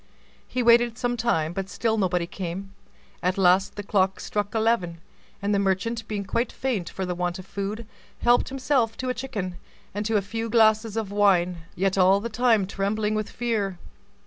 He waited some time, but still nobody came: at last the clock struck eleven, and the merchant, being quite faint for the want of food, helped himself to a chicken, and to a few glasses of wine, yet all the time trembling with fear.